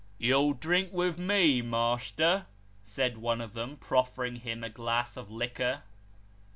" You'll drink with me, master," said one of them, proffering him a glass of liquor.